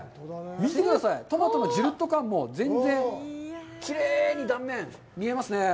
見てください、トマトのじゅるっと感も全然、きれいに断面が見えますね。